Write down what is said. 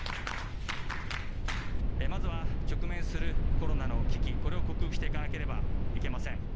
まず直面するコロナの危機、これを克服していかなければいけません。